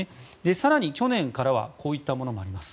更に、去年からはこういったものがあります。